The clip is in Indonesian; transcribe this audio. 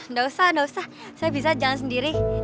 gak usah gak usah saya bisa jangan sendiri